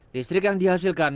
listrik yang dihasilkan